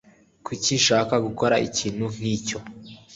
kuki nshaka gukora ikintu nkicyo